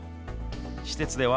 施設では、